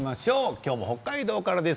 今日も北海道からです。